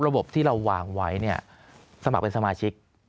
ระบบที่เราวางไว้สมัครเป็นสมาชิก